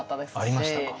ありましたか？